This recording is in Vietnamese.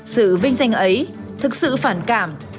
sự vinh danh ấy thực sự phản cảm